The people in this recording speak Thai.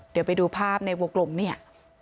เดี๋ยวไปดูภาพในวงกลมเนี่ย